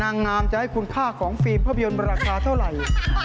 นางงามจะให้คุณค่าของฟิล์มภาพยนตร์ราคาเท่าไหร่